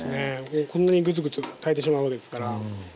もうこんなにグツグツ炊いてしまうのですから。